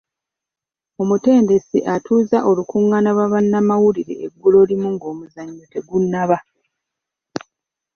Omutendesi atuuza olukungaana lwa bannamawulire eggulo limu ng'omuzannyo tegunnaba.